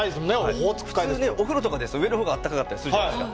普通ねお風呂とかですと上の方があったかかったりするじゃないですか。